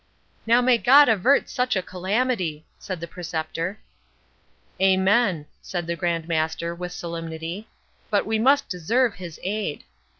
"Now may God avert such a calamity!" said the Preceptor. "Amen," said the Grand Master, with solemnity, "but we must deserve his aid.